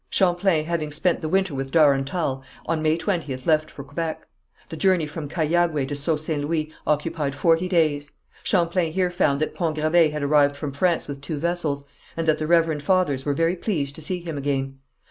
Champlain having spent the winter with Darontal, on May 20th left for Quebec. The journey from Cahiagué to Sault St. Louis occupied forty days. Champlain here found that Pont Gravé had arrived from France with two vessels, and that the reverend fathers were very pleased to see him again.